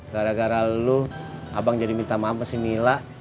gara gara lu abang jadi minta maaf masih mila